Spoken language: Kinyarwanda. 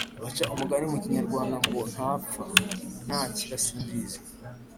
Baca umagani mu Kinyarwanda ngo napfa, nakira simbizi